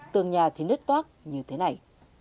tường nhà thì nứt toát như thế này